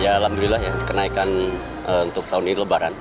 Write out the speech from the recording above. ya alhamdulillah ya kenaikan untuk tahun ini lebaran